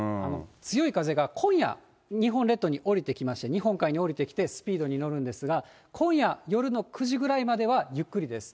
強い風が今夜、日本列島に下りてきまして、日本海に下りてきて、スピードに乗るんですが、今夜夜の９時ぐらいまでは、ゆっくりです。